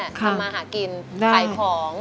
ทำมาหากินขายของ